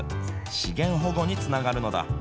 資源保護につながるのだ。